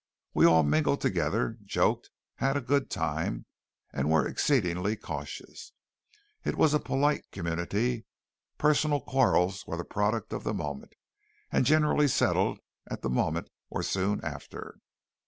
We all mingled together, joked, had a good time and were exceedingly cautious. It was a polite community. Personal quarrels were the product of the moment, and generally settled at the moment or soon after.